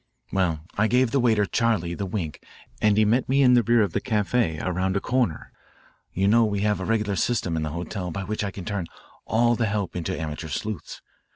"Well, I gave the waiter, Charley, the wink and he met me in the rear of the caf=82, around a corner. You know we have a regular system in the hotel by which I can turn all the help into amateur sleuths.